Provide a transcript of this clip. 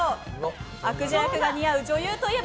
悪女役が似合う女優といえば？